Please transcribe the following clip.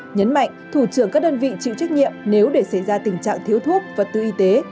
nhấn mạnh thủ trưởng các đơn vị chịu trách nhiệm nếu để xảy ra tình trạng thiếu thuốc vật tư y tế